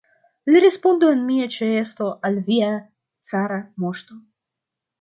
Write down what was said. Li respondu en mia ĉeesto al via cara moŝto!